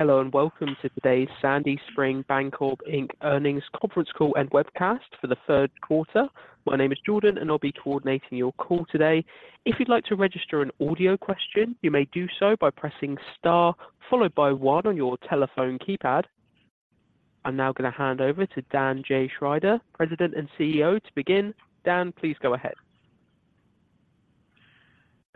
Hello, and welcome to today's Sandy Spring Bancorp, Inc. Earnings Conference Call and Webcast for the third quarter. My name is Jordan, and I'll be coordinating your call today. If you'd like to register an audio question, you may do so by pressing star followed by one on your telephone keypad. I'm now going to hand over to Daniel J. Schrider, President and CEO, to begin. Dan, please go ahead.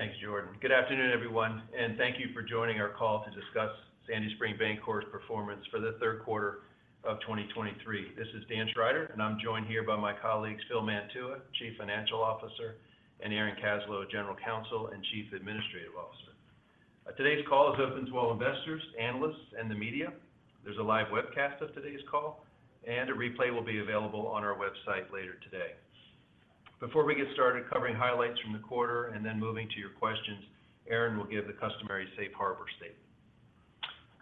Thanks, Jordan. Good afternoon, everyone, and thank you for joining our call to discuss Sandy Spring Bancorp's performance for the third quarter of 2023. This is Dan Schrider, and I'm joined here by my colleagues, Phil Mantua, Chief Financial Officer, and Aaron Kaslow, General Counsel and Chief Administrative Officer. Today's call is open to all investors, analysts, and the media. There's a live webcast of today's call, and a replay will be available on our website later today. Before we get started covering highlights from the quarter and then moving to your questions, Aaron will give the customary safe harbor statement.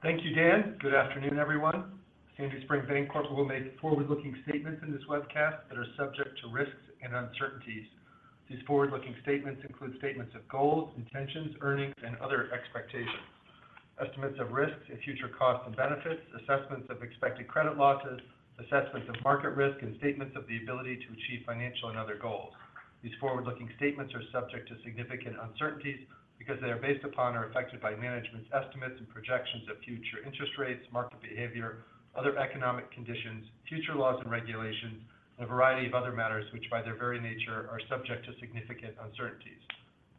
Thank you, Dan. Good afternoon, everyone. Sandy Spring Bancorp will make forward-looking statements in this webcast that are subject to risks and uncertainties. These forward-looking statements include statements of goals, intentions, earnings, and other expectations, estimates of risks and future costs and benefits, assessments of expected credit losses, assessments of market risk, and statements of the ability to achieve financial and other goals. These forward-looking statements are subject to significant uncertainties because they are based upon or affected by management's estimates and projections of future interest rates, market behavior, other economic conditions, future laws and regulations, and a variety of other matters which, by their very nature, are subject to significant uncertainties.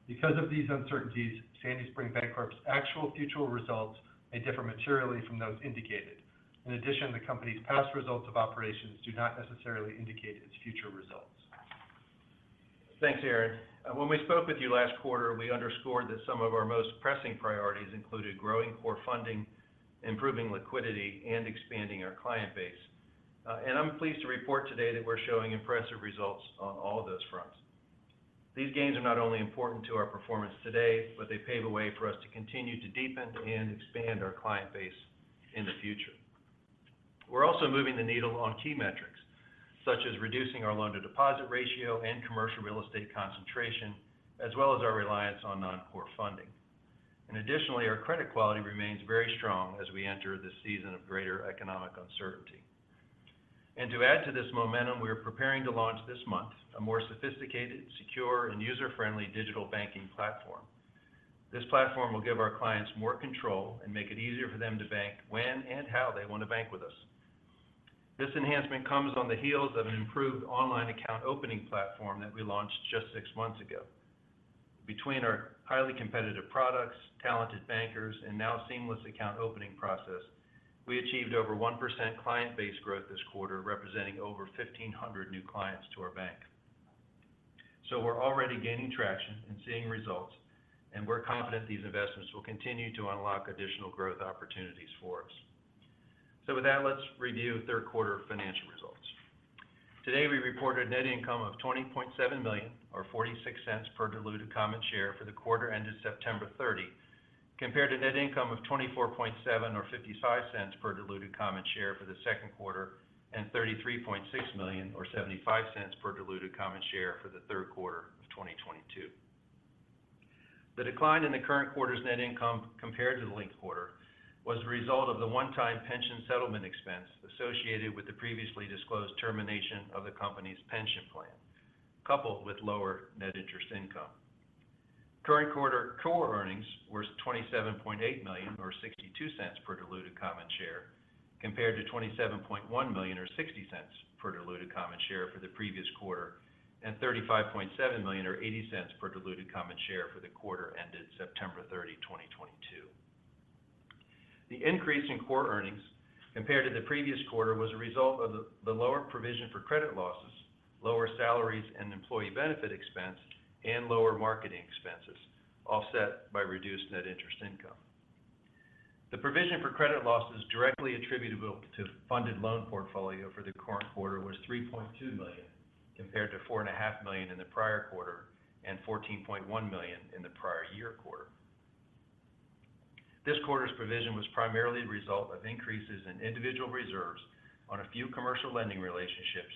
Because of these uncertainties, Sandy Spring Bancorp's actual future results may differ materially from those indicated. In addition, the company's past results of operations do not necessarily indicate its future results. Thanks, Aaron. When we spoke with you last quarter, we underscored that some of our most pressing priorities included growing core funding, improving liquidity, and expanding our client base. And I'm pleased to report today that we're showing impressive results on all of those fronts. These gains are not only important to our performance today, but they pave a way for us to continue to deepen and expand our client base in the future. We're also moving the needle on key metrics, such as reducing our loan-to-deposit ratio and commercial real estate concentration, as well as our reliance on non-core funding. Additionally, our credit quality remains very strong as we enter this season of greater economic uncertainty. To add to this momentum, we are preparing to launch this month a more sophisticated, secure, and user-friendly digital banking platform. This platform will give our clients more control and make it easier for them to bank when and how they want to bank with us. This enhancement comes on the heels of an improved online account opening platform that we launched just six months ago. Between our highly competitive products, talented bankers, and now seamless account opening process, we achieved over 1% client base growth this quarter, representing over 1,500 new clients to our bank. So we're already gaining traction and seeing results, and we're confident these investments will continue to unlock additional growth opportunities for us. So with that, let's review third quarter financial results. Today, we reported net income of $20.7 million or $0.46 per diluted common share for the quarter ended September 30, compared to net income of $24.7 million or $0.55 per diluted common share for the second quarter and $33.6 million or $0.75 per diluted common share for the third quarter of 2022. The decline in the current quarter's net income compared to the linked quarter was a result of the one-time pension settlement expense associated with the previously disclosed termination of the company's pension plan, coupled with lower net interest income. Current quarter core earnings were $27.8 million or $0.62 per diluted common share, compared to $27.1 million or $0.60 per diluted common share for the previous quarter and $35.7 million or $0.80 per diluted common share for the quarter ended September 30, 2022. The increase in core earnings compared to the previous quarter was a result of the lower provision for credit losses, lower salaries and employee benefit expense, and lower marketing expenses, offset by reduced net interest income. The provision for credit losses directly attributable to funded loan portfolio for the current quarter was $3.2 million, compared to $4.5 million in the prior quarter and $14.1 million in the prior year quarter. This quarter's provision was primarily a result of increases in individual reserves on a few commercial lending relationships,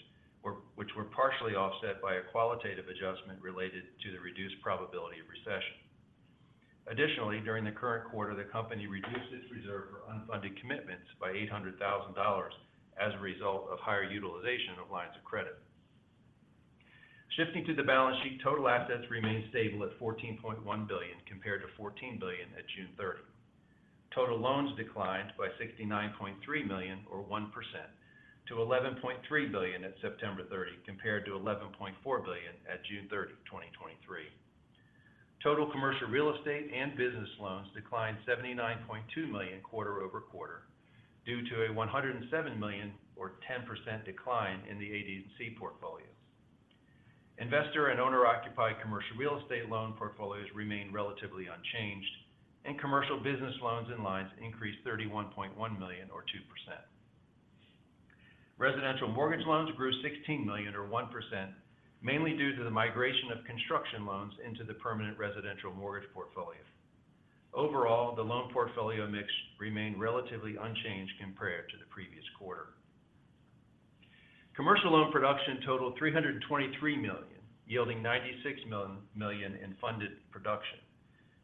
which were partially offset by a qualitative adjustment related to the reduced probability of recession. Additionally, during the current quarter, the company reduced its reserve for unfunded commitments by $800,000 as a result of higher utilization of lines of credit. Shifting to the balance sheet, total assets remained stable at $14.1 billion, compared to $14 billion at June 30. Total loans declined by $69.3 million or 1% to $11.3 billion at September 30, compared to $11.4 billion at June 30, 2023. Total commercial real estate and business loans declined $79.2 million quarter-over-quarter due to a $107 million or 10% decline in the ADC portfolios. Investor and owner-occupied commercial real estate loan portfolios remained relatively unchanged, and commercial business loans and lines increased $31.1 million or 2%. Residential mortgage loans grew $16 million or 1%, mainly due to the migration of construction loans into the permanent residential mortgage portfolio. Overall, the loan portfolio mix remained relatively unchanged compared to the previous quarter. Commercial loan production totaled $323 million, yielding $96 million in funded production.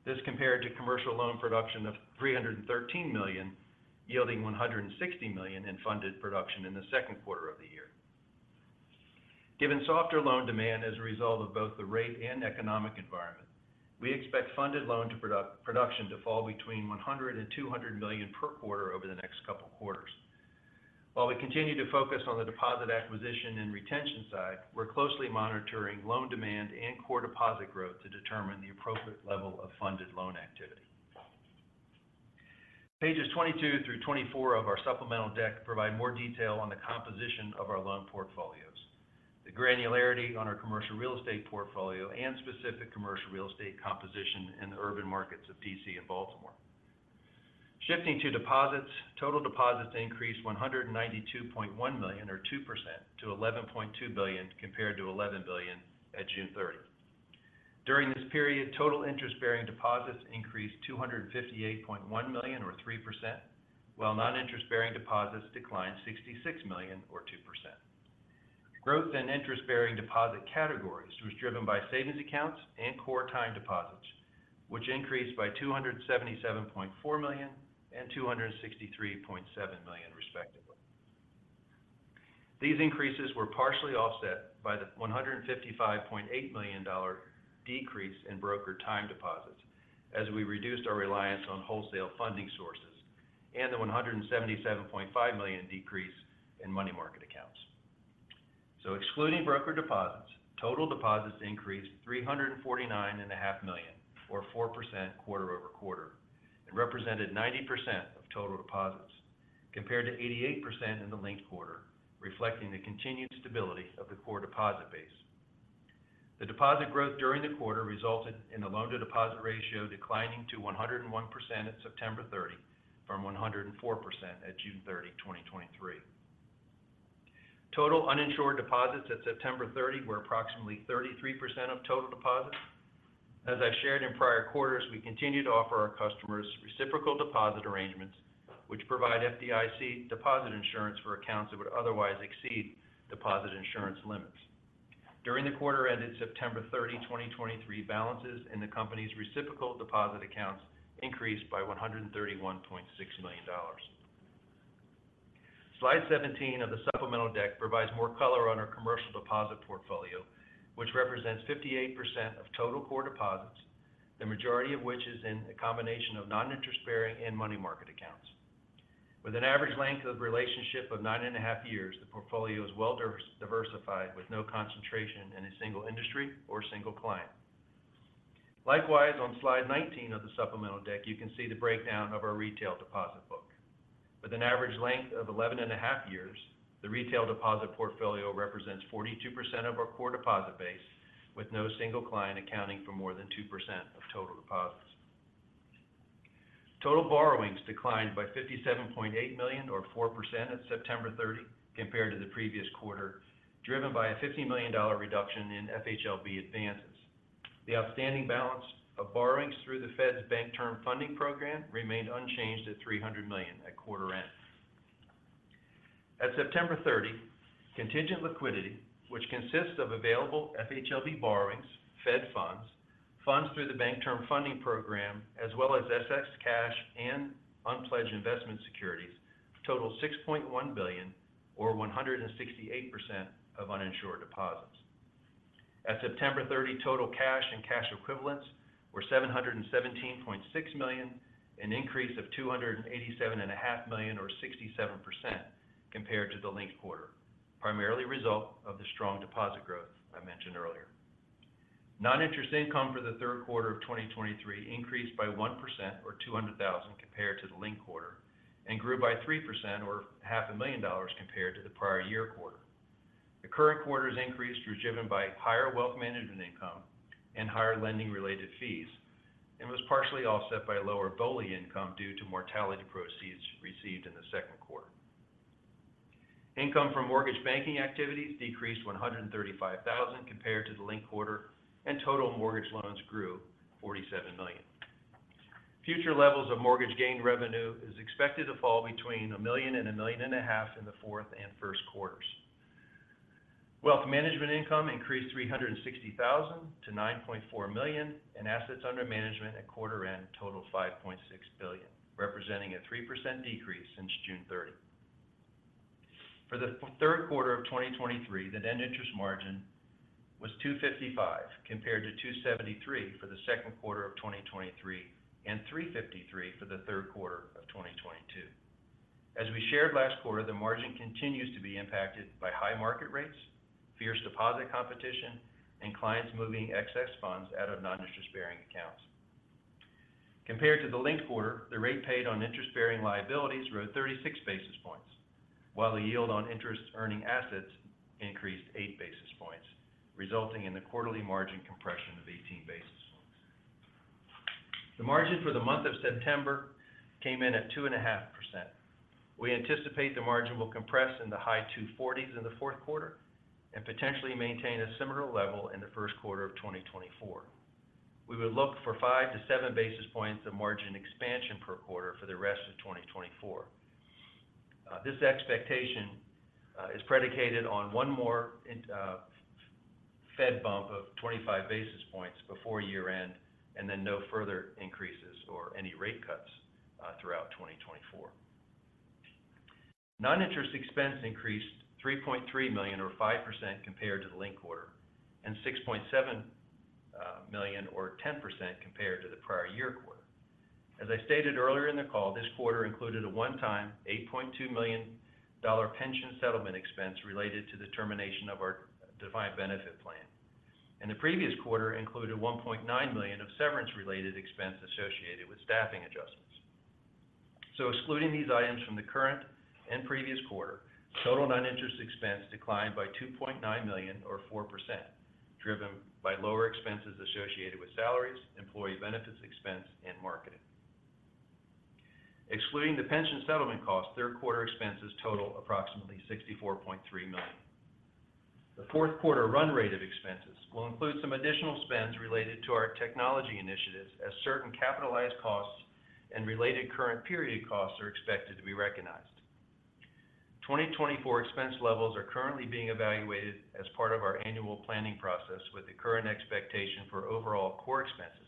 This compared to commercial loan production of $313 million, yielding $160 million in funded production in the second quarter of the year. Given softer loan demand as a result of both the rate and economic environment, we expect funded loan production to fall between $100 million and $200 million per quarter over the next couple quarters. While we continue to focus on the deposit acquisition and retention side, we're closely monitoring loan demand and core deposit growth to determine the appropriate level of funded loan activity. Pages 22-24 of our supplemental deck provide more detail on the composition of our loan portfolios, the granularity on our commercial real estate portfolio, and specific commercial real estate composition in the urban markets of D.C. and Baltimore. Shifting to deposits, total deposits increased $192.1 million, or 2%, to $11.2 billion, compared to $11 billion at June 30. During this period, total interest-bearing deposits increased $258.1 million, or 3%, while non-interest-bearing deposits declined $66 million or 2%. Growth in interest-bearing deposit categories was driven by savings accounts and core time deposits, which increased by $277.4 million and $263.7 million respectively. These increases were partially offset by the $155.8 million decrease in brokered time deposits as we reduced our reliance on wholesale funding sources, and the $177.5 million decrease in money market accounts. Excluding brokered deposits, total deposits increased $349.5 million, or 4% quarter-over-quarter, and represented 90% of total deposits, compared to 88% in the linked quarter, reflecting the continued stability of the core deposit base. The deposit growth during the quarter resulted in the loan-to-deposit ratio declining to 101% at September 30, from 104% at June 30, 2023. Total uninsured deposits at September 30 were approximately 33% of total deposits. As I've shared in prior quarters, we continue to offer our customers reciprocal deposit arrangements, which provide FDIC deposit insurance for accounts that would otherwise exceed deposit insurance limits. During the quarter ended September 30, 2023, balances in the company's reciprocal deposit accounts increased by $131.6 million. Slide 17 of the supplemental deck provides more color on our commercial deposit portfolio, which represents 58% of total core deposits, the majority of which is in a combination of non-interest bearing and money market accounts. With an average length of relationship of 9.5 years, the portfolio is well diversified, with no concentration in a single industry or single client. Likewise, on Slide 19 of the supplemental deck, you can see the breakdown of our retail deposit book. With an average length of 11.5 years, the retail deposit portfolio represents 42% of our core deposit base, with no single client accounting for more than 2% of total deposits. Total borrowings declined by $57.8 million or 4% at September 30 compared to the previous quarter, driven by a $50 million reduction in FHLB advances. The outstanding balance of borrowings through the Fed's Bank Term Funding Program remained unchanged at $300 million at quarter end. At September 30, contingent liquidity, which consists of available FHLB borrowings, Fed funds, funds through the Bank Term Funding Program, as well as excess cash and unpledged investment securities, totaled $6.1 billion, or 168% of uninsured deposits. At September 30, total cash and cash equivalents were $717.6 million, an increase of $287.5 million, or 67% compared to the linked quarter, primarily a result of the strong deposit growth I mentioned earlier. Non-interest income for the third quarter of 2023 increased by 1% or $200,000 compared to the linked quarter, and grew by 3% or $500,000 compared to the prior year quarter. The current quarter's increase was driven by higher wealth management income and higher lending-related fees, and was partially offset by lower BOLI income due to mortality proceeds received in the second quarter. Income from mortgage banking activities decreased $135,000 compared to the linked quarter, and total mortgage loans grew $47 million. Future levels of mortgage gain revenue is expected to fall between $1 million and $1.5 million in the fourth and first quarters. Wealth management income increased $360,000 to $9.4 million, and assets under management at quarter end totaled $5.6 billion, representing a 3% decrease since June 30. For the third quarter of 2023, the net interest margin was 2.55%, compared to 2.73% for the second quarter of 2023, and 3.53% for the third quarter of 2022. As we shared last quarter, the margin continues to be impacted by high market rates, fierce deposit competition, and clients moving excess funds out of non-interest-bearing accounts. Compared to the linked quarter, the rate paid on interest-bearing liabilities rose 36 basis points, while the yield on interest-earning assets increased 8 basis points, resulting in the quarterly margin compression of 18 basis points. The margin for the month of September came in at 2.5%. We anticipate the margin will compress in the high 240s in the fourth quarter and potentially maintain a similar level in the first quarter of 2024.... We would look for 5 basis points-7 basis points of margin expansion per quarter for the rest of 2024. This expectation is predicated on one more in, Fed bump of 25 basis points before year-end, and then no further increases or any rate cuts throughout 2024. Non-interest expense increased $3.3 million, or 5% compared to the linked quarter, and $6.7 million, or 10% compared to the prior year quarter. As I stated earlier in the call, this quarter included a one-time $8.2 million dollar pension settlement expense related to the termination of our defined benefit plan. The previous quarter included $1.9 million of severance-related expense associated with staffing adjustments. Excluding these items from the current and previous quarter, total non-interest expense declined by $2.9 million, or 4%, driven by lower expenses associated with salaries, employee benefits expense, and marketing. Excluding the pension settlement cost, third quarter expenses total approximately $64.3 million. The fourth quarter run rate of expenses will include some additional spends related to our technology initiatives, as certain capitalized costs and related current period costs are expected to be recognized. 2024 expense levels are currently being evaluated as part of our annual planning process, with the current expectation for overall core expenses,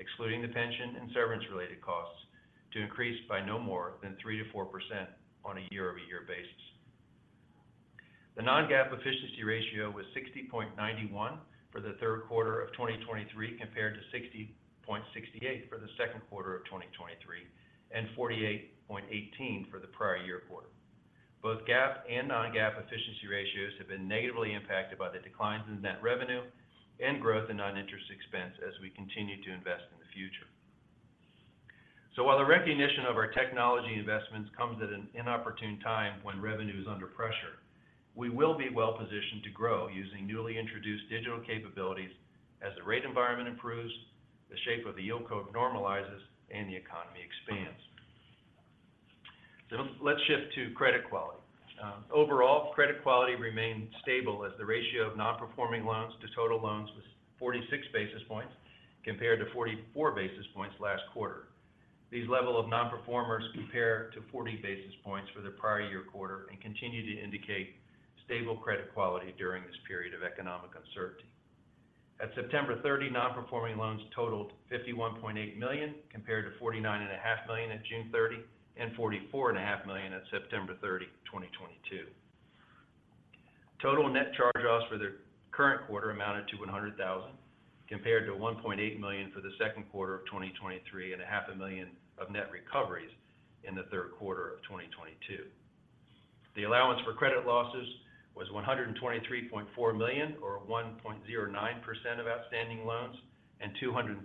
excluding the pension and severance-related costs, to increase by no more than 3%-4% on a year-over-year basis. The non-GAAP efficiency ratio was 60.91% for the third quarter of 2023, compared to 60.68% for the second quarter of 2023, and 48.18% for the prior year quarter. Both GAAP and non-GAAP efficiency ratios have been negatively impacted by the declines in net revenue and growth in non-interest expense as we continue to invest in the future. So while the recognition of our technology investments comes at an inopportune time when revenue is under pressure, we will be well positioned to grow using newly introduced digital capabilities as the rate environment improves, the shape of the yield curve normalizes, and the economy expands. So let's shift to credit quality. Overall, credit quality remained stable as the ratio of non-performing loans to total loans was 46 basis points, compared to 44 basis points last quarter. These level of non-performers compare to 40 basis points for the prior year quarter and continue to indicate stable credit quality during this period of economic uncertainty. At September 30, non-performing loans totaled $51.8 million, compared to $49.5 million at June 30 and $44.5 million at September 30, 2022. Total net charge-offs for the current quarter amounted to $100,000, compared to $1.8 million for the second quarter of 2023, and $0.5 million of net recoveries in the third quarter of 2022. The allowance for credit losses was $123.4 million, or 1.09% of outstanding loans, and 238%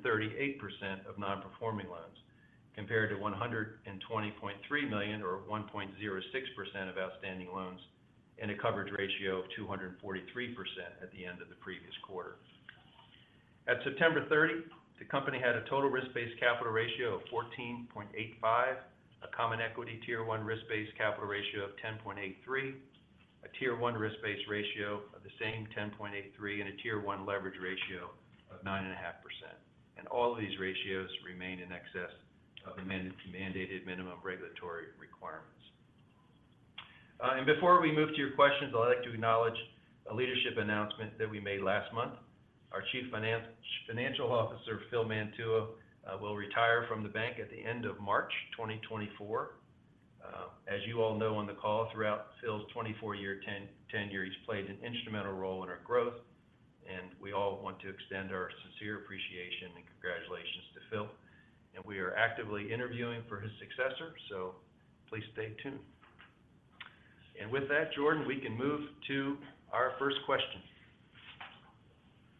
of non-performing loans, compared to $120.3 million, or 1.06% of outstanding loans, and a coverage ratio of 243% at the end of the previous quarter. At September 30, the company had a total risk-based capital ratio of 14.85, a common equity Tier 1 risk-based capital ratio of 10.83, a Tier 1 risk-based ratio of the same 10.83, and a Tier 1 leverage ratio of 9.5%. All of these ratios remain in excess of the mandated minimum regulatory requirements. Before we move to your questions, I'd like to acknowledge a leadership announcement that we made last month. Our Chief Financial Officer, Phil Mantua, will retire from the bank at the end of March 2024. As you all know on the call, throughout Phil's 24-year tenure, he's played an instrumental role in our growth, and we all want to extend our sincere appreciation and congratulations to Phil. We are actively interviewing for his successor, so please stay tuned. With that, Jordan, we can move to our first question.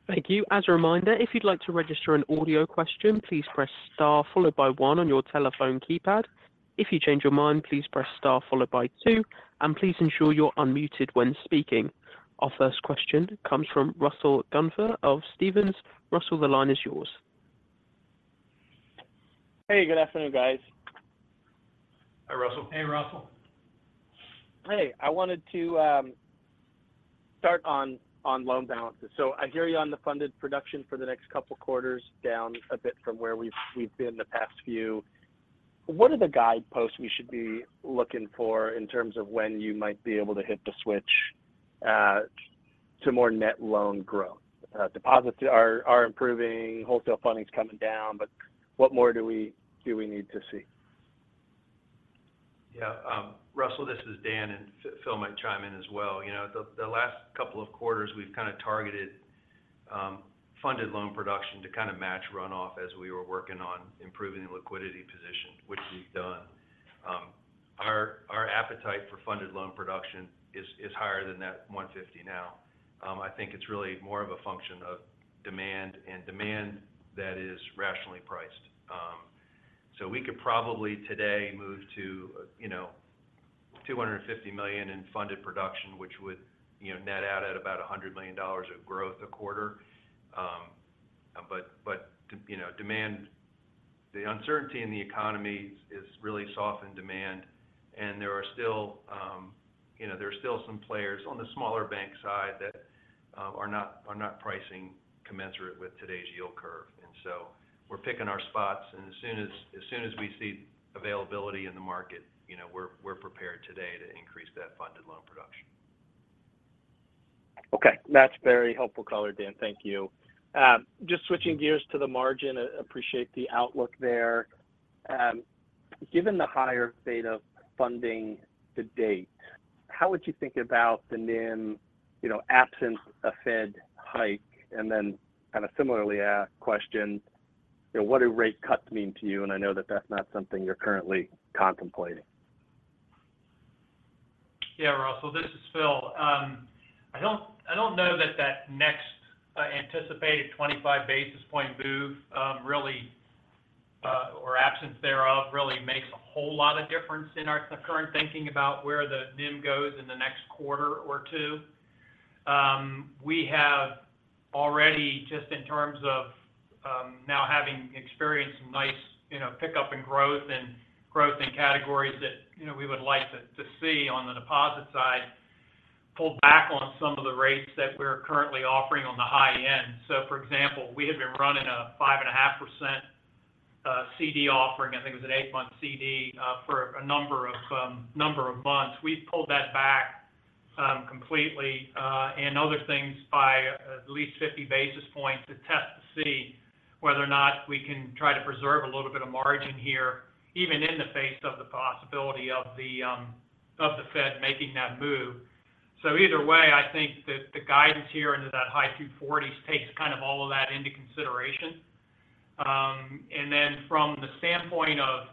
Thank you. As a reminder, if you'd like to register an audio question, please press Star followed by one on your telephone keypad. If you change your mind, please press Star followed by two, and please ensure you're unmuted when speaking. Our first question comes from Russell Gunther of Stephens. Russell, the line is yours. Hey, good afternoon, guys. Hi, Russell. Hey, Russell. Hey, I wanted to start on loan balances. So I hear you on the funded production for the next couple of quarters, down a bit from where we've been the past few. What are the guideposts we should be looking for in terms of when you might be able to hit the switch to more net loan growth? Deposits are improving, wholesale funding is coming down, but what more do we need to see? Yeah, Russell, this is Dan, and Phil might chime in as well. You know, the last couple of quarters, we've kind of targeted funded loan production to kind of match runoff as we were working on improving the liquidity position, which we've done. Our appetite for funded loan production is higher than that $150 million now. I think it's really more of a function of demand, and demand that is rationally priced. So we could probably today move to, you know, $250 million in funded production, which would, you know, net out at about $100 million of growth a quarter. But to, you know, demand-... the uncertainty in the economy is, is really soft in demand, and there are still, you know, there are still some players on the smaller bank side that, are not, are not pricing commensurate with today's yield curve. And so we're picking our spots, and as soon as, as soon as we see availability in the market, you know, we're, we're prepared today to increase that funded loan production. Okay. That's very helpful color, Dan. Thank you. Just switching gears to the margin, I appreciate the outlook there. Given the higher beta funding to date, how would you think about the NIM, you know, absent a Fed hike? And then kind of similarly ask question, you know, what do rate cuts mean to you? And I know that that's not something you're currently contemplating. Yeah, Russell, this is Phil. I don't know that next anticipated 25 basis point move, really, or absence thereof, really makes a whole lot of difference in our current thinking about where the NIM goes in the next quarter or two. We have already, just in terms of now having experienced some nice, you know, pickup in growth and growth in categories that, you know, we would like to see on the deposit side, pulled back on some of the rates that we're currently offering on the high end. So for example, we had been running a 5.5% CD offering, I think it was an 8-month CD, for a number of months. We've pulled that back completely, and other things by at least 50 basis points to test to see whether or not we can try to preserve a little bit of margin here, even in the face of the possibility of the Fed making that move. So either way, I think that the guidance here into that high 240s takes kind of all of that into consideration. And then from the standpoint of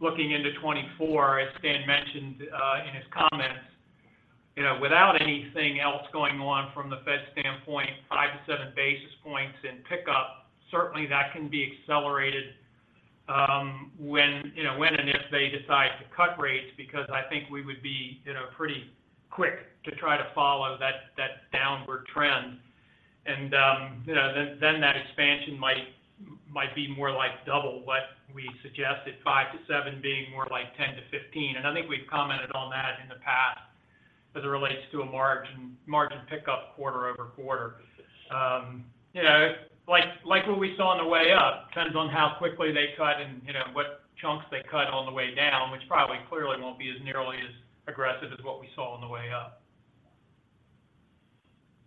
looking into 2024, as Dan mentioned in his comments, you know, without anything else going on from the Fed standpoint, 5 basis points-7 basis points in pickup, certainly that can be accelerated when, you know, when and if they decide to cut rates, because I think we would be, you know, pretty quick to try to follow that, that downward trend. You know, then that expansion might be more like double what we suggested, 5-7 being more like 10-15. And I think we've commented on that in the past as it relates to a margin pickup quarter-over-quarter. You know, like what we saw on the way up, depends on how quickly they cut and, you know, what chunks they cut on the way down, which probably clearly won't be as nearly as aggressive as what we saw on the way up.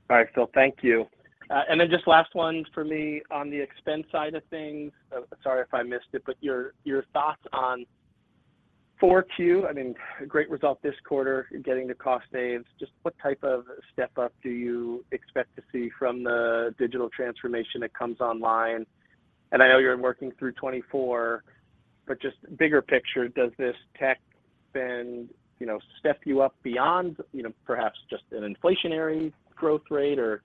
All right, Phil, thank you. And then just last one for me on the expense side of things. Sorry if I missed it, but your, your thoughts on 4Q, I mean, great result this quarter in getting the cost saves. Just what type of step up do you expect to see from the digital transformation that comes online? And I know you're working through 2024, but just bigger picture, does this tech then, you know, step you up beyond, you know, perhaps just an inflationary growth rate, or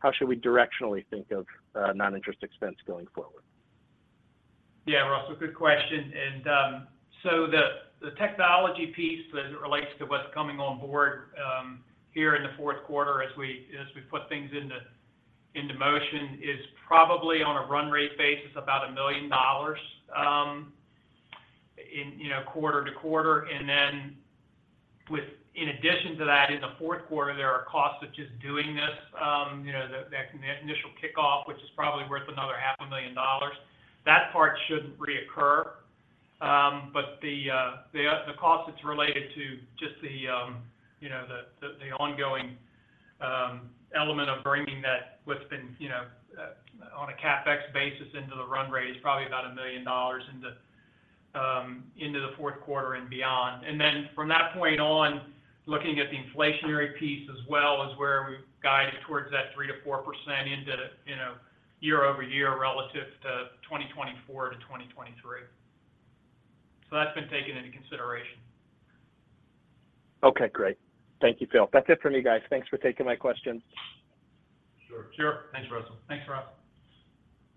how should we directionally think of, non-interest expense going forward? Yeah, Russell, good question. And, so the technology piece as it relates to what's coming on board, here in the fourth quarter as we put things into motion, is probably on a run rate basis about $1 million, you know, quarter to quarter. And then, in addition to that, in the fourth quarter, there are costs of just doing this, you know, the initial kickoff, which is probably worth another $500,000. That part shouldn't reoccur. But the cost that's related to just the, you know, the ongoing element of bringing that what's been, you know, on a CapEx basis into the run rate is probably about $1 million into the fourth quarter and beyond. Then from that point on, looking at the inflationary piece as well, is where we've guided towards that 3%-4% into the, you know, year-over-year relative to 2024 to 2023. So that's been taken into consideration. Okay, great. Thank you, Phil. That's it for me, guys. Thanks for taking my questions. Sure. Sure. Thanks, Russell. Thanks, Russell.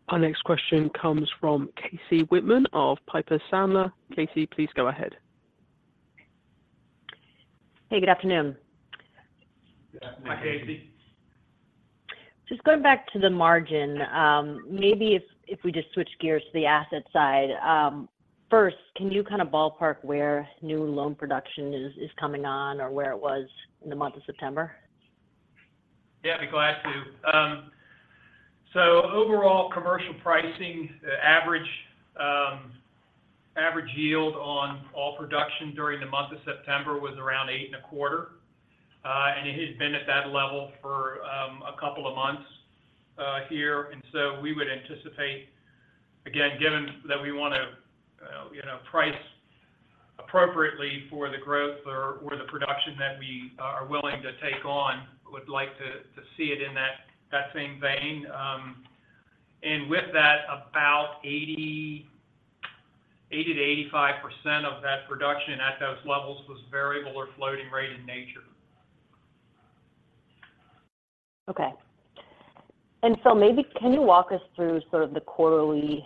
Our next question comes from Casey Whitman of Piper Sandler. Casey, please go ahead. Hey, good afternoon. Good afternoon. Hi, Casey. Just going back to the margin, maybe if we just switch gears to the asset side. First, can you kind of ballpark where new loan production is coming on or where it was in the month of September? Yeah, I'd be glad to. So overall commercial pricing, the average yield on all production during the month of September was around 8.25%. And it has been at that level for a couple of months here. And so we would anticipate, again, given that we want to, you know, price appropriately for the growth or the production that we are willing to take on, would like to see it in that same vein. And with that, about 80%-85% of that production at those levels was variable or floating rate in nature. Okay. Maybe can you walk us through sort of the quarterly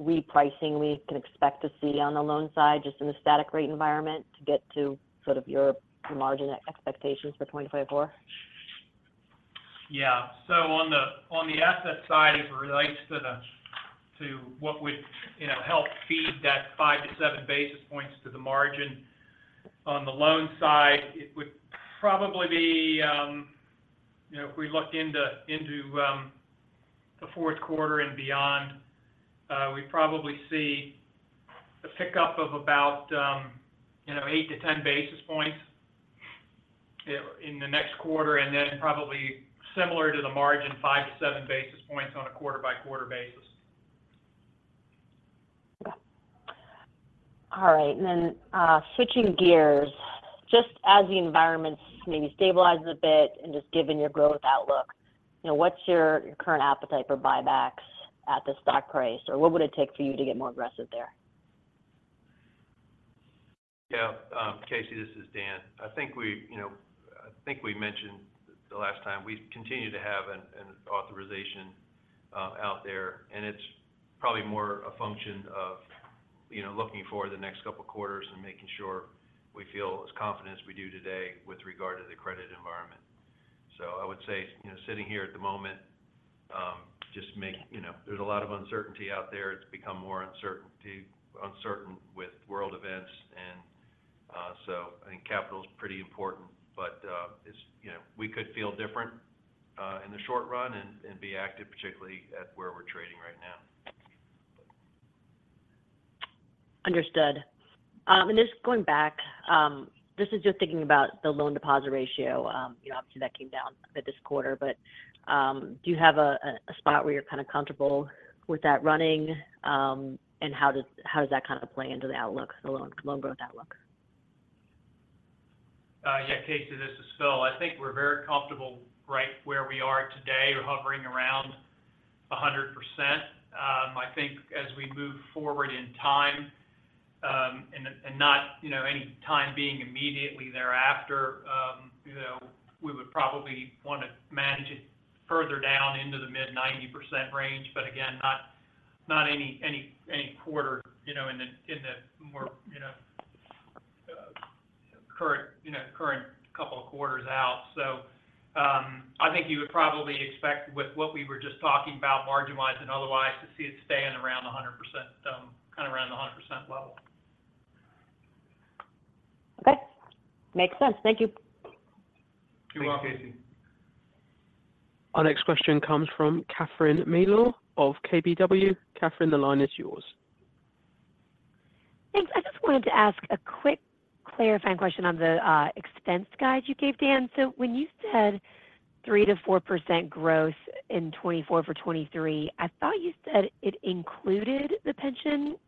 repricing we can expect to see on the loan side, just in the static rate environment, to get to sort of your margin expectations for 2024?... Yeah. So on the asset side, as it relates to what would, you know, help feed that 5 basis points-7 basis points to the margin, on the loan side, it would probably be, you know, if we look into the fourth quarter and beyond, we'd probably see a pickup of about, you know, 8 basis points-10 basis points in the next quarter, and then probably similar to the margin, 5 basis points-7 basis points on a quarter-by-quarter basis. All right. And then, switching gears, just as the environment's maybe stabilizing a bit and just given your growth outlook, you know, what's your, your current appetite for buybacks at the stock price? Or what would it take for you to get more aggressive there? Yeah. Casey, this is Dan. I think we, you know, I think we mentioned the last time, we continue to have an authorization out there, and it's probably more a function of, you know, looking for the next couple of quarters and making sure we feel as confident as we do today with regard to the credit environment. So I would say, you know, sitting here at the moment, you know, there's a lot of uncertainty out there. It's become more uncertain with world events, and so I think capital is pretty important. But, it's, you know, we could feel different in the short run and be active, particularly at where we're trading right now. Understood. And just going back, this is just thinking about the loan deposit ratio. You know, obviously, that came down a bit this quarter, but do you have a spot where you're kind of comfortable with that running? And how does that kind of play into the outlook, the loan growth outlook? Yeah, Casey, this is Phil. I think we're very comfortable right where we are today. We're hovering around 100%. I think as we move forward in time, and not, you know, any time being immediately thereafter, you know, we would probably want to manage it further down into the mid-90% range. But again, not any quarter, you know, in the more current couple of quarters out. So, I think you would probably expect with what we were just talking about, margin-wise and otherwise, to see it staying around 100%, kind of around the 100% level. Okay. Makes sense. Thank you. You're welcome. Thanks, Casey. Our next question comes from Catherine Mealor of KBW. Catherine, the line is yours. Thanks. I just wanted to ask a quick clarifying question on the expense guide you gave, Dan. So when you said 3%-4% growth in 2024 for 2023, I thought you said it included the pension expense,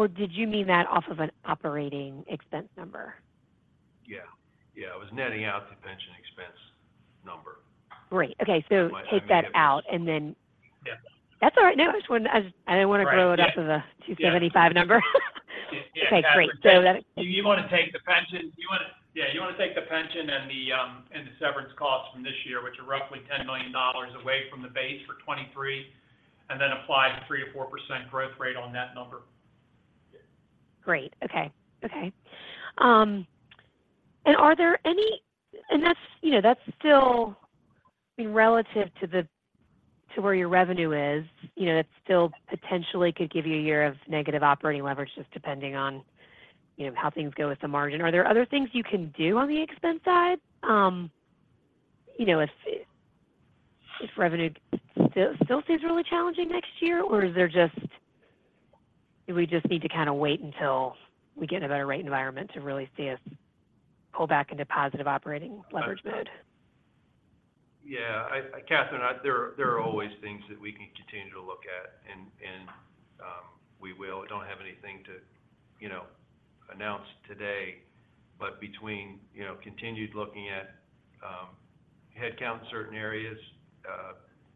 or did you mean that off of an operating expense number? Yeah. Yeah, I was netting out the pension expense number. Great. Okay. My- Take that out and then- Yeah. That's all right. No, I just wanted. I didn't want to- Right. Yeah... grow it up to the 275 number. Yeah. Okay, great. So that- Yeah, you want to take the pension and the severance costs from this year, which are roughly $10 million away from the base for 2023, and then apply the 3%-4% growth rate on that number. Yeah. Great. Okay. Okay. And that's, you know, that's still relative to the, to where your revenue is. You know, that still potentially could give you a year of negative operating leverage, just depending on, you know, how things go with the margin. Are there other things you can do on the expense side, you know, if revenue still seems really challenging next year? Or do we just need to kind of wait until we get in a better rate environment to really see us pull back into positive operating leverage mode? Yeah, Catherine, there are always things that we can continue to look at, and we will. I don't have anything to, you know, announce today, but between, you know, continued looking at headcount in certain areas,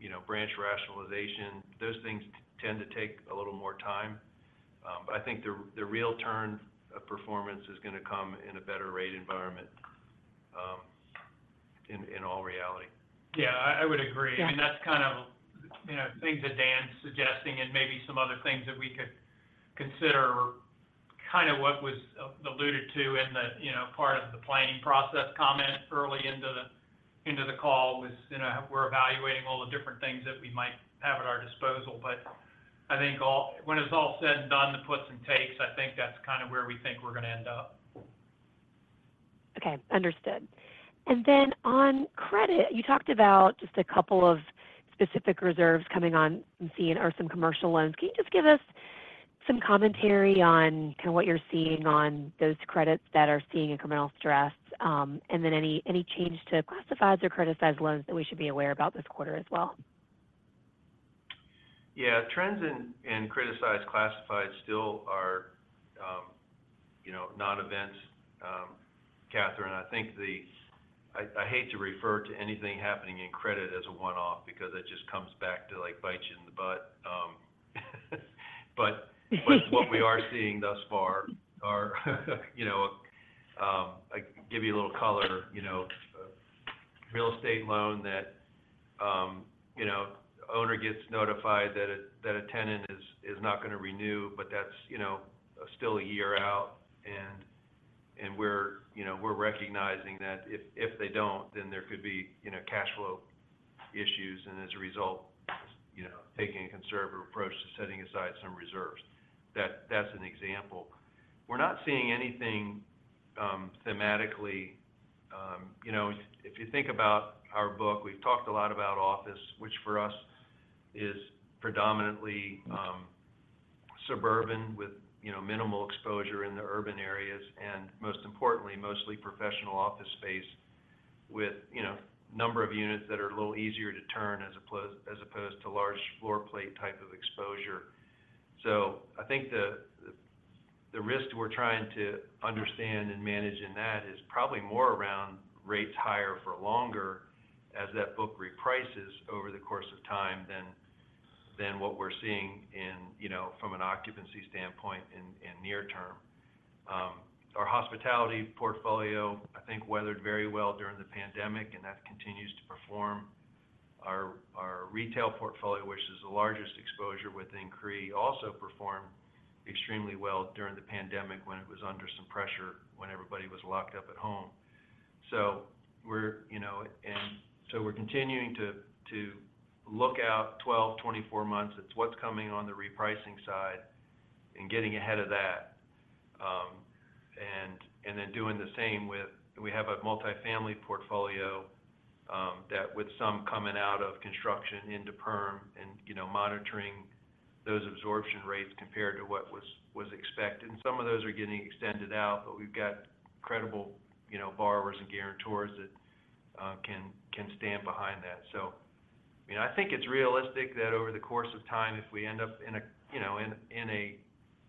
you know, branch rationalization, those things tend to take a little more time. But I think the real turn of performance is going to come in a better rate environment, in all reality. Yeah, I would agree. Yeah. I mean, that's kind of, you know, things that Dan's suggesting and maybe some other things that we could consider, kind of what was alluded to in the, you know, part of the planning process comment early into the, into the call was, you know, we're evaluating all the different things that we might have at our disposal. But I think all, when it's all said and done, the puts and takes, I think that's kind of where we think we're going to end up. Okay, understood. And then on credit, you talked about just a couple of specific reserves coming on and seeing as some commercial loans. Can you just give us some commentary on kind of what you're seeing on those credits that are seeing incremental stress, and then any, any change to classifieds or criticized loans that we should be aware about this quarter as well? Yeah. Trends in criticized, classified still are, you know, non-events. Catherine, I think the—I hate to refer to anything happening in credit as a one-off because it just comes back to, like, bite you in the butt, but what we are seeing thus far are, you know, I give you a little color, you know, a real estate loan that, you know, the owner gets notified that a tenant is not going to renew, but that's, you know, still a year out. And we're, you know, we're recognizing that if they don't, then there could be, you know, cash flow issues, and as a result, you know, taking a conservative approach to setting aside some reserves. That's an example. We're not seeing anything, thematically. You know, if you think about our book, we've talked a lot about office, which for us is predominantly suburban with, you know, minimal exposure in the urban areas, and most importantly, mostly professional office space with, you know, a number of units that are a little easier to turn as opposed to large floor plate type of exposure. So I think the risk we're trying to understand and manage in that is probably more around rates higher for longer as that book reprices over the course of time than what we're seeing in, you know, from an occupancy standpoint in near term. Our hospitality portfolio, I think, weathered very well during the pandemic, and that continues to perform. Our retail portfolio, which is the largest exposure within CRE, also performed extremely well during the pandemic when it was under some pressure when everybody was locked up at home. So we're, you know, and so we're continuing to look out 12-24 months. It's what's coming on the repricing side and getting ahead of that. And then doing the same with-- We have a multifamily portfolio, that with some coming out of construction into perm and, you know, monitoring those absorption rates compared to what was expected. And some of those are getting extended out, but we've got credible, you know, borrowers and guarantors that can stand behind that. So, you know, I think it's realistic that over the course of time, if we end up in a, you know, in a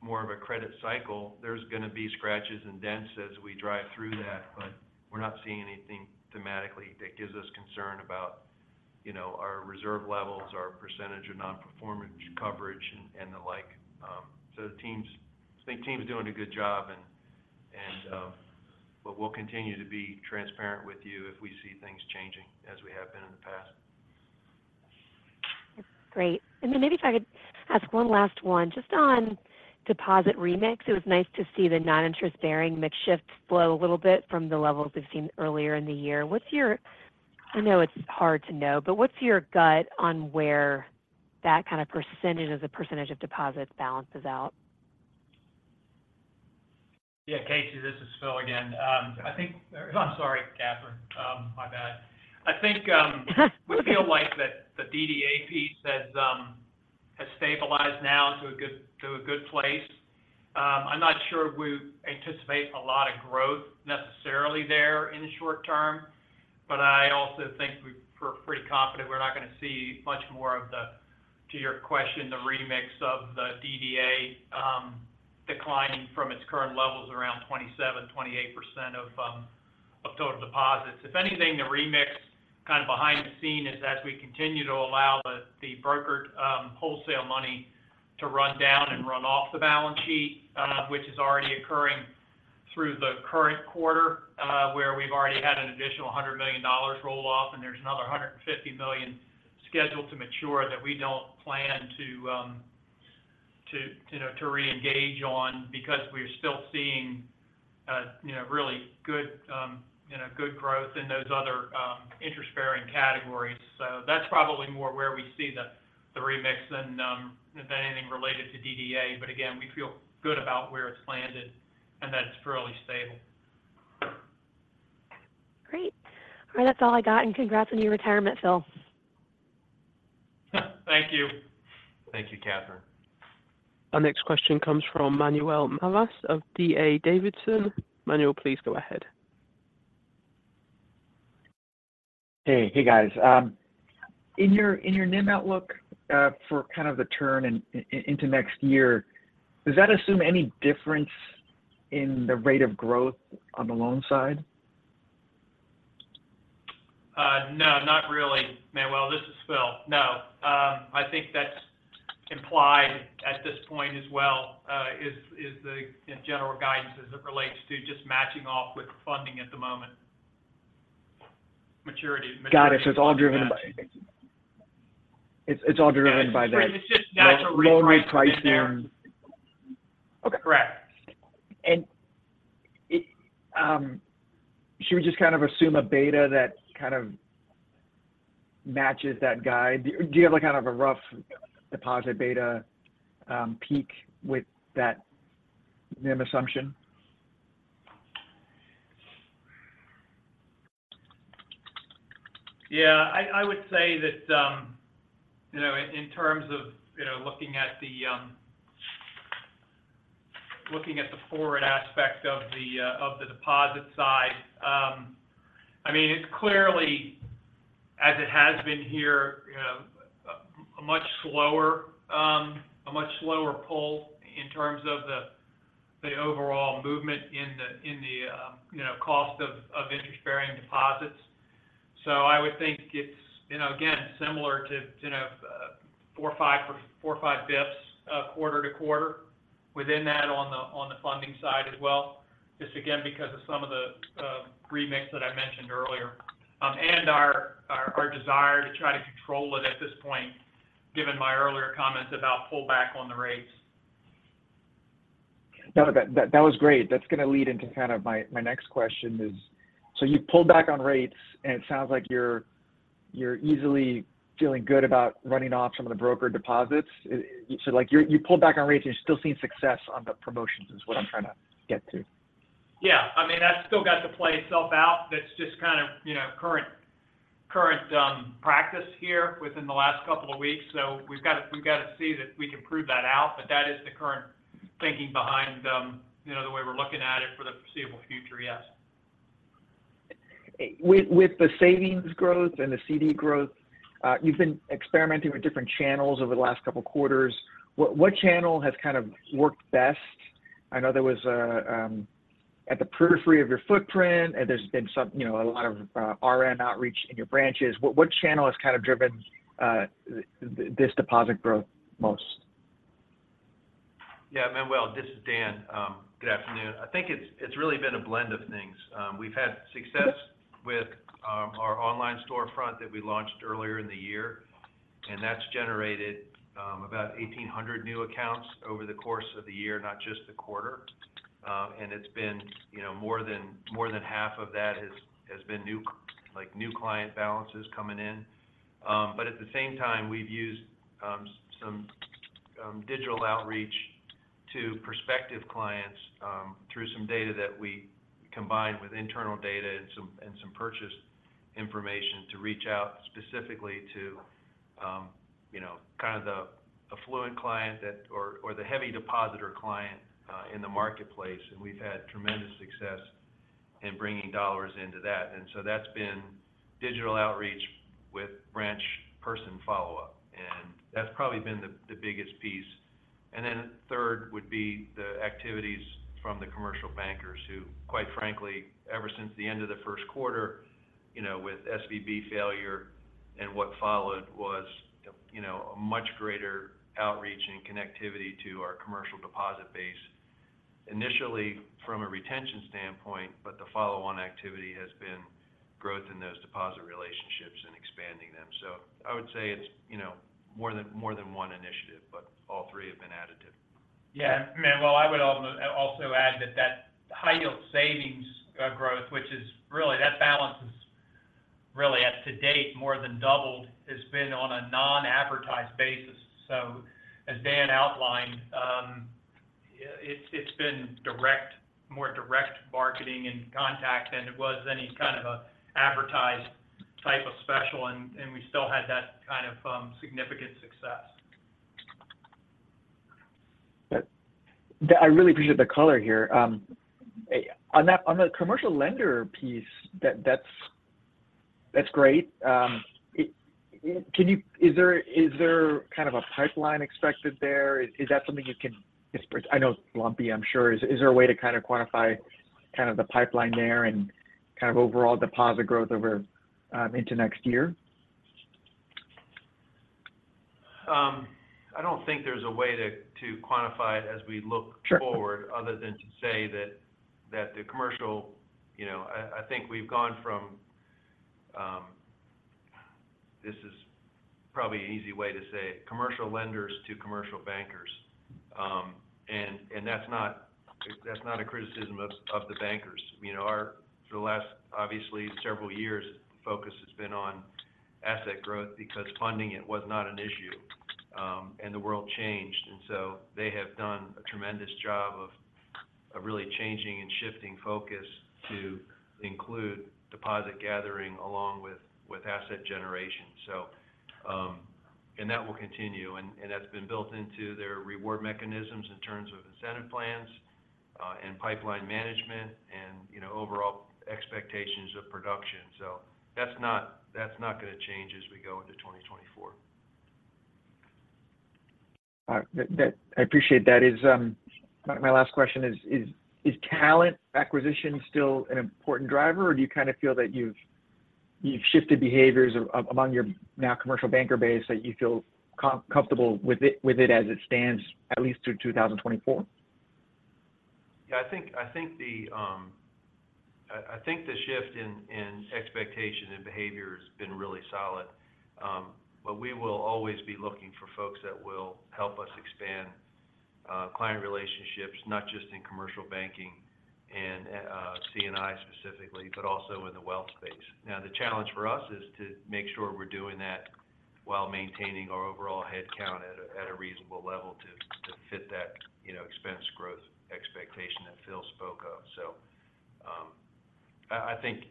more of a credit cycle, there's going to be scratches and dents as we drive through that, but we're not seeing anything thematically that gives us concern about, you know, our reserve levels, our percentage of non-performance coverage, and the like. I think the team's doing a good job, and, but we'll continue to be transparent with you if we see things changing as we have been in the past. Great. And then maybe if I could ask one last one, just on deposit mix, it was nice to see the non-interest-bearing mix shift lower a little bit from the levels we've seen earlier in the year. What's your—I know it's hard to know, but what's your gut on where that kind of percentage as a percentage of deposits balances out? Yeah, Casey, this is Phil again. I'm sorry, Catherine. My bad. I think we feel like that the DDA piece has stabilized now to a good, to a good place. I'm not sure we anticipate a lot of growth necessarily there in the short term, but I also think we're pretty confident we're not going to see much more of the, to your question, the remix of the DDA declining from its current levels around 27-28% of total deposits. If anything, the remix, kind of behind the scenes, is as we continue to allow the brokered wholesale money to run down and run off the balance sheet, which is already occurring through the current quarter, where we've already had an additional $100 million roll off, and there's another $150 million scheduled to mature that we don't plan to, you know, to reengage on because we're still seeing really good growth in those other interest-bearing categories. So that's probably more where we see the remix than anything related to DDA. But again, we feel good about where it's landed and that it's fairly stable. Great. All right, that's all I got, and congrats on your retirement, Phil. Thank you. Thank you, Catherine. Our next question comes from Manuel Navas of D.A. Davidson. Manuel, please go ahead. Hey, hey, guys. In your NIM outlook, for kind of the turn into next year, does that assume any difference in the rate of growth on the loan side? No, not really, Manuel. This is Phil. No, I think that's implied at this point as well, in general guidance as it relates to just matching off with funding at the moment. Maturities, maturities- Got it. So it's all driven by that. It's just natural reprice there. Lower reprice there. Okay. Correct. Should we just kind of assume a beta that kind of matches that guide? Do you have, like, kind of a rough deposit beta, peak with that NIM assumption? Yeah, I would say that, you know, in terms of, you know, looking at the forward aspect of the deposit side, I mean, it's clearly, as it has been here, a much slower, a much slower pull in terms of the overall movement in the cost of interest-bearing deposits. So I would think it's, you know, again, similar to, you know, 4 or 5, 4 or 5 basis points, quarter to quarter within that on the funding side as well. Just again, because of some of the remix that I mentioned earlier. And our desire to try to control it at this point, given my earlier comments about pull back on the rates. Got it. That was great. That's going to lead into kind of my next question is: so you've pulled back on rates, and it sounds like you're easily feeling good about running off some of the broker deposits. So like you're—you pulled back on rates, and you're still seeing success on the promotions is what I'm trying to get to. Yeah, I mean, that's still got to play itself out. That's just kind of, you know, current practice here within the last couple of weeks. So we've got to, we've got to see that we can prove that out, but that is the current thinking behind, you know, the way we're looking at it for the foreseeable future, yes. With, with the savings growth and the CD growth, you've been experimenting with different channels over the last couple of quarters. What, what channel has kind of worked best? I know there was at the periphery of your footprint, and there's been some, you know, a lot of RM outreach in your branches. What, what channel has kind of driven this deposit growth most? Yeah, Manuel, this is Dan. Good afternoon. I think it's really been a blend of things. We've had success with our online storefront that we launched earlier in the year, and that's generated about 1,800 new accounts over the course of the year, not just the quarter. And it's been, you know, more than half of that has been new, like, new client balances coming in. But at the same time, we've used some digital outreach to prospective clients through some data that we combined with internal data and some purchase information to reach out specifically to, you know, kind of the affluent client that or the heavy depositor client in the marketplace, and we've had tremendous success in bringing dollars into that. And so that's been digital outreach with branch person follow-up, and that's probably been the, the biggest piece. And then third would be the activities from the commercial bankers, who, quite frankly, ever since the end of the first quarter, you know, with SVB failure and what followed was, you know, a much greater outreach and connectivity to our commercial deposit base. Initially, from a retention standpoint, but the follow-on activity has been growth in those deposit relationships and expanding them. So I would say it's, you know, more than, more than one initiative, but all three have been additive. Yeah. Manuel, I would also add that high yield savings growth, which is really—that balance is really, as to date, more than doubled, has been on a non-advertised basis. So as Dan outlined, it's been more direct marketing and contact than it was any kind of a advertised type of special, and we still had that kind of significant success. I really appreciate the color here. On the commercial lender piece, that's great. Can you—is there kind of a pipeline expected there? Is that something you can express? I know it's lumpy, I'm sure. Is there a way to quantify the pipeline there and overall deposit growth into next year? I don't think there's a way to quantify it as we look- Sure... forward other than to say that the commercial, you know, I think we've gone from, this is probably an easy way to say, commercial lenders to commercial bankers. And that's not a criticism of the bankers. You know, our focus for the last, obviously, several years has been on asset growth because funding it was not an issue, and the world changed, and so they have done a tremendous job of really changing and shifting focus to include deposit gathering along with asset generation. So, and that will continue, and that's been built into their reward mechanisms in terms of incentive plans, and pipeline management and, you know, overall expectations of production. So that's not going to change as we go into 2024. All right. I appreciate that. Is my last question: is talent acquisition still an important driver, or do you kind of feel that you've shifted behaviors of among your now commercial banker base, that you feel comfortable with it as it stands at least through 2024? Yeah, I think the shift in expectation and behavior has been really solid. But we will always be looking for folks that will help us expand client relationships, not just in commercial banking and C&I specifically, but also in the wealth space. Now, the challenge for us is to make sure we're doing that while maintaining our overall headcount at a reasonable level to fit that, you know, expense growth expectation that Phil spoke of. So, I think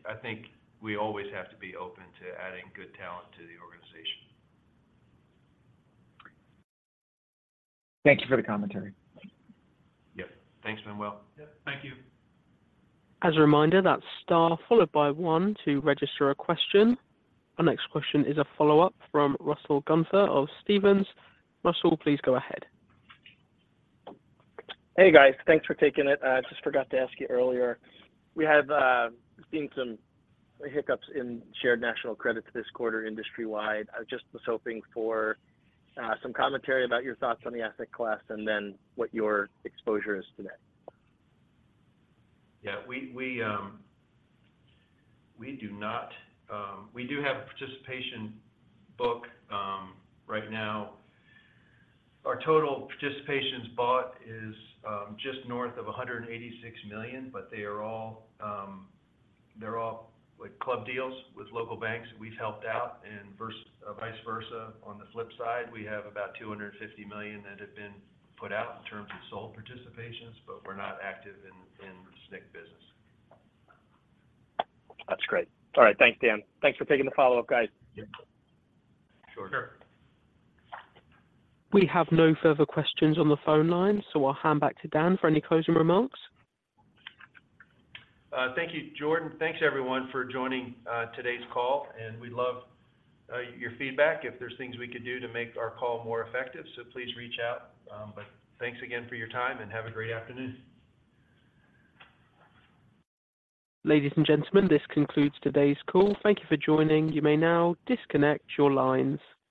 we always have to be open to adding good talent to the organization. Thank you for the commentary. Yep. Thanks, Manuel. Yep. Thank you. As a reminder, that's star, followed by one to register a question. Our next question is a follow-up from Russell Gunther of Stephens. Russell, please go ahead. Hey, guys. Thanks for taking it. I just forgot to ask you earlier. We have seen some hiccups in Shared National Credits this quarter, industry-wide. I just was hoping for some commentary about your thoughts on the asset class and then what your exposure is to that. Yeah, we do have a participation book right now. Our total participations bought is just north of $186 million, but they are all, they're all, like, club deals with local banks. We've helped out, and vice versa. On the flip side, we have about $250 million that have been put out in terms of sold participations, but we're not active in SNC business. That's great. All right. Thanks, Dan. Thanks for taking the follow-up, guys. Yep. Sure. Sure. We have no further questions on the phone line, so I'll hand back to Dan for any closing remarks. Thank you, Jordan. Thanks, everyone, for joining today's call, and we'd love your feedback if there's things we could do to make our call more effective. Please reach out, but thanks again for your time, and have a great afternoon. Ladies and gentlemen, this concludes today's call. Thank you for joining. You may now disconnect your lines.